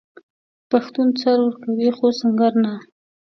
پښتون سر ورکوي خو سنګر نه.